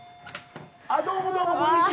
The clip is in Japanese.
どうもどうもこんにちは。